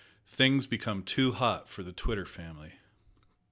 THINGS BECOME TOO HOT FOR THE TWITTER FAMILY.